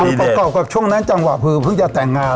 ก็เกาะกับช่วงนั้นจังหวะพึ่งจะแต่งงาน